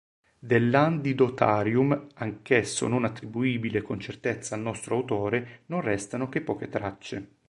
Dell"'Antidotarium", anch'esso non attribuibile con certezza al nostro autore, non restano che poche tracce.